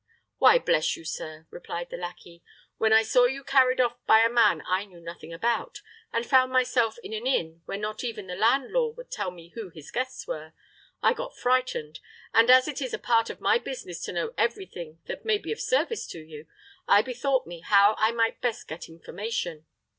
"Why bless you, sir," replied the lackey, "when I saw you carried off by a man I knew nothing about, and found myself in an inn where not even the landlord would tell who his guests were, I got frightened, and as it is a part of my business to know every thing that may be of service to you, I bethought me how I might best get information.